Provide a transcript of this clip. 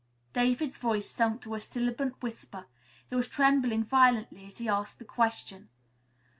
David's voice sunk to a sibilant whisper. He was trembling violently as he asked the question.